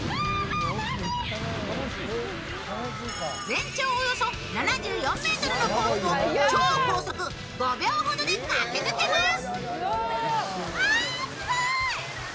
全長およそ７４ｍのコースを超高速５秒ほどで駆け抜けます。